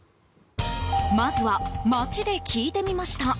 まずは、街で聞いてみました。